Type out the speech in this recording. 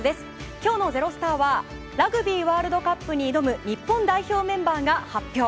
今日の「＃ｚｅｒｏｓｔａｒ」はラグビーワールドカップに挑む日本代表メンバーが発表。